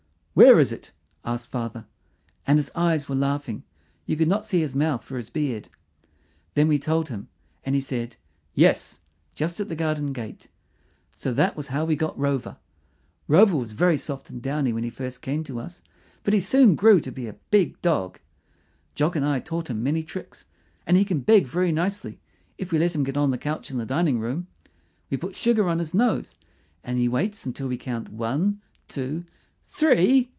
"Where is it?" asked father, and his eyes were laughing; you could not see his mouth for his beard. Then we told him, and he said "Yes," just at the garden gate. So that was how we got Rover. Rover was very soft and downy when he first came to us. But he soon grew to be a big dog. Jock and I taught him many tricks; and he can beg very nicely, if we let him get on the couch in the dining room. We put sugar on his nose, and he waits until we count One, Two, THREE.